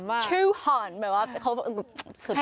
๒๐๐แบบว่าสุดยอด